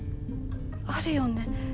あるよね？